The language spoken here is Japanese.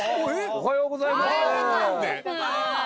おはようございます。